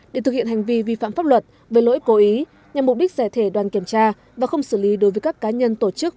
để thực hiện hành vi vi phạm pháp luật về lỗi cố ý nhằm mục đích giải thể đoàn kiểm tra và không xử lý đối với các cá nhân tổ chức